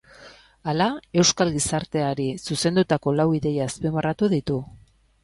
Hala, euskal gizarteari zuzendutako lau ideia azpimarratu ditu.